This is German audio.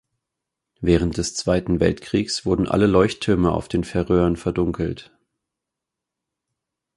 Während des Zweiten Weltkriegs wurden alle Leuchttürme auf den Färöern verdunkelt.